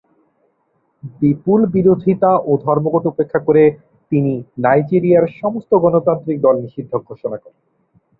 বিপুল বিরোধিতা ও ধর্মঘট উপেক্ষা করে তিনি নাইজেরিয়ার সমস্ত গণতান্ত্রিক দল নিষিদ্ধ ঘোষণা করেন।